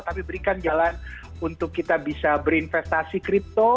tapi berikan jalan untuk kita bisa berinvestasi kripto